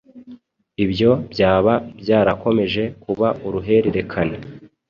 Ibyo byaba byarakomeje kuba uruhererekane